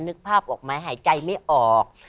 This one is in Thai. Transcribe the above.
นึกภาพออกไหมหายใจไม่ออก